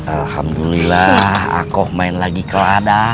alhamdulillah aku main lagi ke ladang